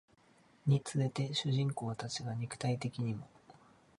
につれて主人公たちが肉体的にも